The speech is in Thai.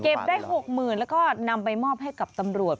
ได้๖๐๐๐แล้วก็นำไปมอบให้กับตำรวจ